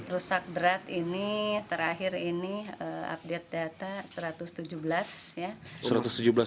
rusak berat ini terakhir ini update data satu ratus tujuh belas ya